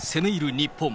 日本。